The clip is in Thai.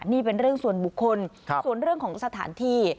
นี่เป็นเรื่องส่วนบุคคลส่วนเรื่องของสถานที่